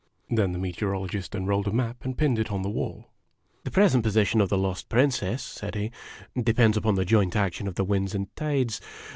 Then the Meteorologist unrolled a map and pinned it on the wall. " The present position of the lost Princess," said he, "depends upon the joint action of the winds and tides.